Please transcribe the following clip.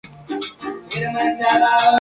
Muchos de ellos sirven de fármacos.